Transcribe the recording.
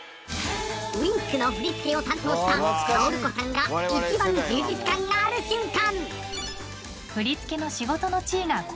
Ｗｉｎｋの振り付けを担当した香瑠鼓さんが一番充実感がある瞬間。